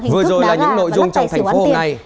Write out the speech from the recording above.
vừa rồi là những nội dung trong thành phố hôm nay